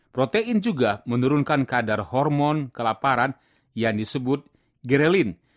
protein juga menurunkan kadar hormon kelaparan yang disebut gerelin